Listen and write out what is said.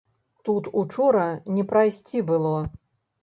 Тут учора не прайсці было!